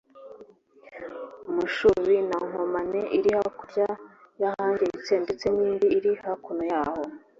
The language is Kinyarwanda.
Mushubi na Nkomane iri hakurya y’ahangiritse ndetse n’indi iri hakuno yaho